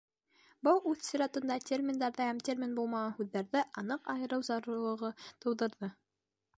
Был, үҙ сиратында, терминдарҙы һәм термин булмаған һүҙҙәрҙе аныҡ айырыу зарурлығын тыуҙырҙы.